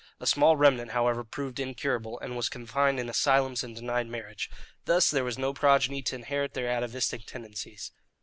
A small remnant, however, proved incurable, and was confined in asylums and denied marriage. Thus there was no progeny to inherit their atavistic tendencies.